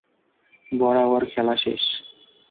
বরাবর খেলা শেষ।